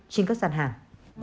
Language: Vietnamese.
trên các sản hàng